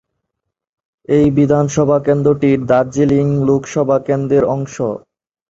এই বিধানসভা কেন্দ্রটি দার্জিলিং লোকসভা কেন্দ্রের অংশ।